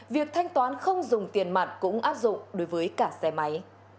việc thanh toán không dùng tiền mặt cũng áp dụng đối với cả xe máy